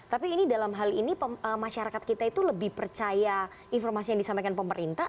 tapi ini dalam hal ini masyarakat kita itu lebih percaya informasi yang disampaikan pemerintah